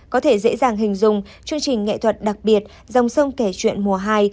có thể dễ dàng hình dung chương trình nghệ thuật đặc biệt dòng sông kể chuyện mùa hai